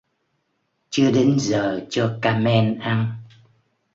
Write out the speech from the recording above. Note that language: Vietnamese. chưa đến giờ cho Kamen ăn